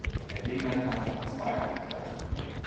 Herr Wegener tanzt auf zwei Hochzeiten.